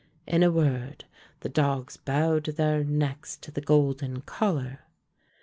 In a word, the dogs bowed their necks to the golden collar.